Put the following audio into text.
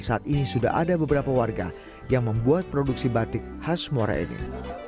saat ini sudah ada beberapa warga yang membuat produksi batik khas muara enim